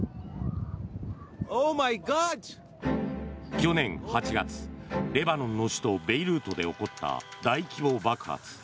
去年８月、レバノンの首都ベイルートで起こった大規模爆発。